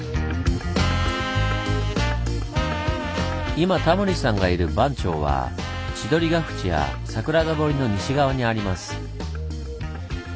今タモリさんがいる番町は千鳥ヶ淵や桜田堀の西側にあります。